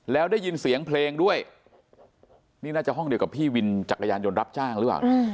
แล้วได้ยินเสียงเพลงด้วยนี่น่าจะห้องเดียวกับพี่วินจักรยานยนต์รับจ้างหรือเปล่านะ